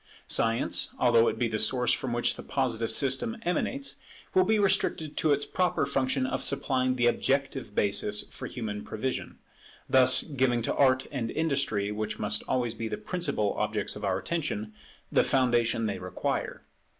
Science, although it be the source from which the Positive system emanates, will be restricted to its proper function of supplying the objective basis for human prevision; thus giving to Art and Industry, which must always be the principal objects of our attention, the foundation they require.